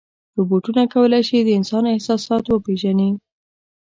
روبوټونه کولی شي د انسان احساسات وپېژني.